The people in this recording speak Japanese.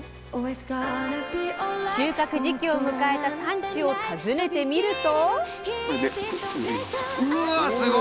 収穫時期を迎えた産地を訪ねてみると。